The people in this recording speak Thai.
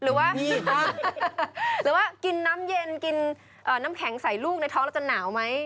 หรือว่าหรือว่ากินน้ำเย็นกินน้ำแข็งใส่ลูกในท้องแล้วจะหนาวไหม